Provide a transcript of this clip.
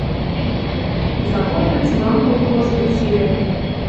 Завод гӹц мам, колхоз гӹц сирӓт